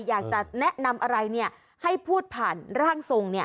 อยากจะแนะนำอะไรให้พูดผ่านร่างทรง